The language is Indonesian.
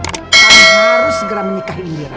kami harus segera menikahi indira